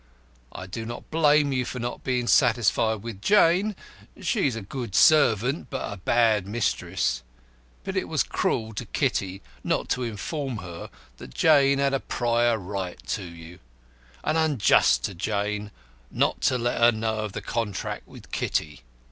I do not blame you for not being satisfied with Jane she is a good servant but a bad mistress but it was cruel to Kitty not to inform her that Jane had a prior right in you, and unjust to Jane not to let her know of the contract with Kitty."